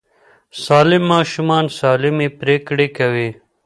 سالم ماشومان سالمې پرېکړې کوي.